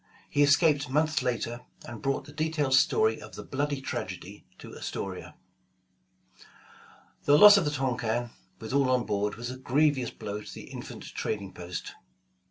He escaped months later, and brought the detailed story of the bloody tragedy to Astoria. The loss of the Tonquin, with all on board, was a grevious blow to the infant trading post.